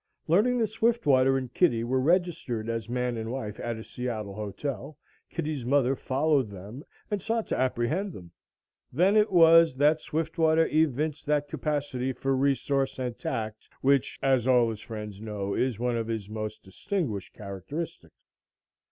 Learning that Swiftwater and Kitty were registered as man and wife at a Seattle hotel, Kitty's mother followed them and sought to apprehend them. Then it was that Swiftwater evinced that capacity for resource and tact which, as all his friends know, is one of his most distinguished characteristics.